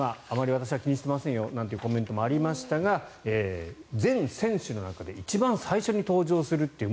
私は気にしてませんよなんてコメントもありましたが全選手の中で一番最初に登場するという。